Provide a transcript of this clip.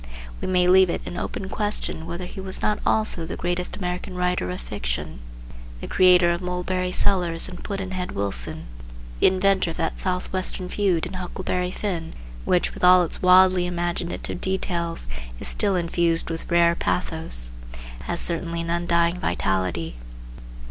We may leave it an open question whether he was not also the greatest American writer of fiction. The creator of Mulberry Sellers and Pudd'nhead Wilson, the inventor of that Southwestern feud in "Huckleberry Finn," which, with all its wildly imaginative details, is still infused with rare pathos, has certainly an undying vitality.